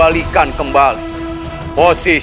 di mana mbak mbak tujuh